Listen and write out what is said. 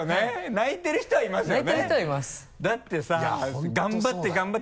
泣いてる人はいますよね。